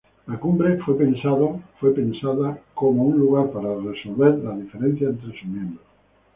La cumbre fue pensado como un lugar para resolver las diferencias entre sus miembros.